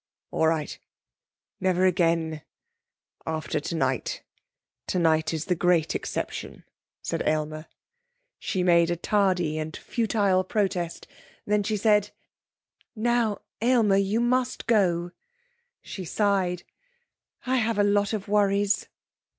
'All right. Never again after tonight. Tonight is the great exception,' said Aylmer. She made a tardy and futile protest. Then she said: 'Now, Aylmer, you must go.' She sighed. 'I have a lot of worries.'